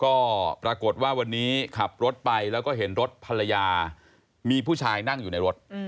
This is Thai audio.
ก็ปรากฏว่าวันนี้ขับรถไปแล้วก็เห็นรถภรรยามีผู้ชายนั่งอยู่ในรถ